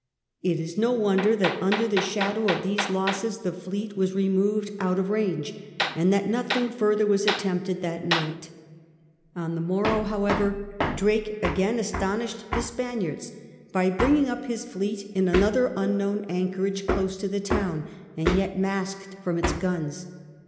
It is no wonder that under the shadow of these losses the fleet was removed out of range, and that nothing further was attempted that night. On the morrow, however, Drake again astounded XIII SAN JUAN DE PUERTO RICO 203 the Spaniards by bringing up his fleet in another un known anchorage close to the town and yet masked from its guns.